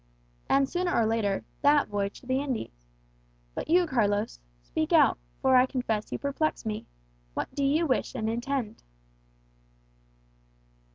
And, sooner or later, that voyage to the Indies. But you, Carlos speak out, for I confess you perplex me what do you wish and intend?"